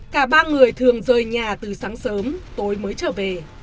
cả ba người thường rời nhà từ sáng sớm tối mới trở về